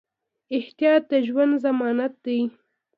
احتیاط د ژوند ضمانت دی.